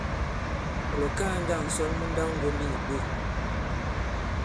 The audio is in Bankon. Ɔ̀ lɔ̀kaa njâŋ ǹsɔn mu nndawŋgombi ǐ bwě ?